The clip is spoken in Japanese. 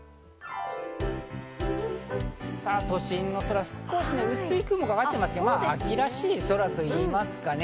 都心の空、少し薄い雲がかかっていますけど秋らしい空といえますかね。